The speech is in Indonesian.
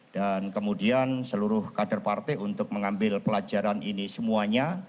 dan kemudian seluruh kader partai untuk mengambil pelajaran ini semuanya